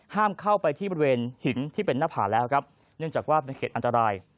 เข้าไปที่บริเวณหินที่เป็นหน้าผาแล้วครับเนื่องจากว่าเป็นเขตอันตราย